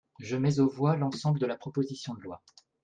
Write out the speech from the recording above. Je mets aux voix l’ensemble de la proposition de loi.